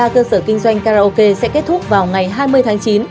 ba cơ sở kinh doanh karaoke sẽ kết thúc vào ngày hai mươi tháng chín